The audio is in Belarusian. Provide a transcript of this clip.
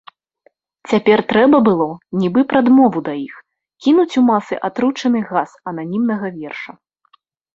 Цяпер трэба было, нібы прадмову да іх, кінуць у масы атручаны газ ананімнага верша.